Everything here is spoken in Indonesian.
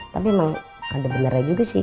tapi emang ada beneran juga sih